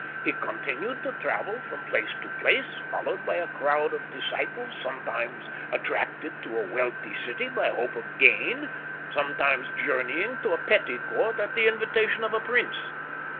He continued to travel from place to place, followed by a crowd of disciples, some times attracted to a wealthy city by hope of gain, sometimes journeying to a petty court at the invitation of a prince.